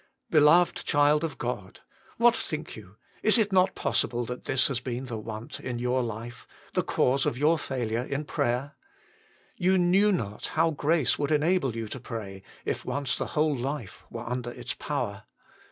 Beloved child of God ! what think you, is it not possible that this has been the want in your life, the cause of your failure in prayer? You knew not how grace would enable you to pray, if once the whole life were under its power.